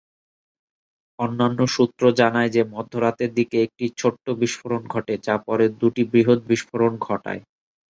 অন্যান্য সূত্র জানায় যে মধ্যরাতের দিকে একটি ছোট্ট বিস্ফোরণ ঘটে, যা পরে দুটি বৃহত বিস্ফোরণ ঘটায়।